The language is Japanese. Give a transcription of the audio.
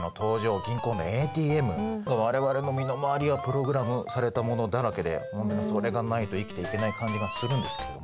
我々の身の回りはプログラムされたものだらけでそれがないと生きていけない感じがするんですけれどもね。